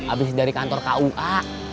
abis dari kantor kua